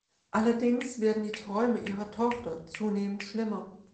Allerdings werden die Träume ihrer Tochter zunehmend schlimmer.